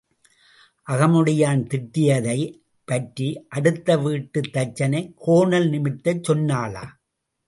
அகமுடையான் திட்டியதைப் பற்றி அடுத்த வீட்டுத் தச்சனைக் கோணல் நிமிர்த்தச் சொன்னாளாம்.